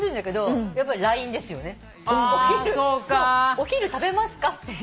「お昼食べますか」っていう。